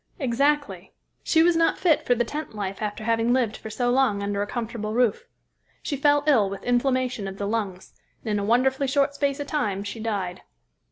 "Exactly; she was not fit for the tent life after having lived for so long under a comfortable roof. She fell ill with inflammation of the lungs, and in a wonderfully short space of time she died."